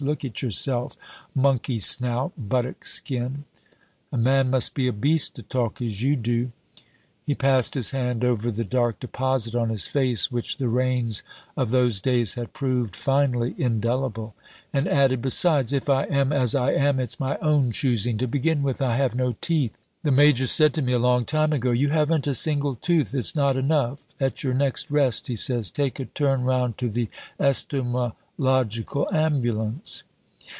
Look at yourself, monkey snout, buttock skin! A man must be a beast to talk as you do." He passed his hand over the dark deposit on his face, which the rains of those days had proved finally indelible, and added, "Besides, if I am as I am, it's my own choosing. To begin with, I have no teeth. The major said to me a long time ago, 'You haven't a single tooth. It's not enough. At your next rest,' he says, 'take a turn round to the estomalogical ambulance.'"